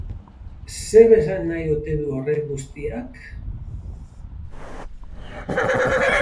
Zer esan nahi ote du horrek guztiak?